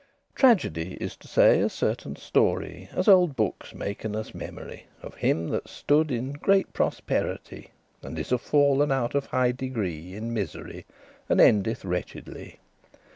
Tragedy *is to say* a certain story, *means* As olde bookes maken us memory, Of him that stood in great prosperity, And is y fallen out of high degree In misery, and endeth wretchedly.